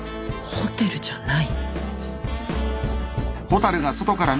ホテルじゃない